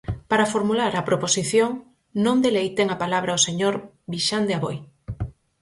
Para formular a proposición non de lei ten a palabra o señor Vixande Aboi.